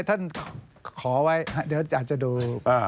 ท่านขอไว้เดี๋ยวอาจจะดู